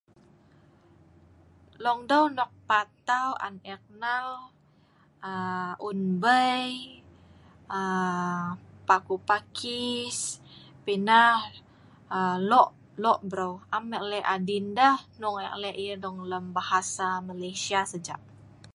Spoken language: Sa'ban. longdeu nok patau on eek nal aa Un Bei aa paku pakis pi nah, aa lok lok breu, am eek lek adin deh hnung eek lek lem bahasa Malaysia saja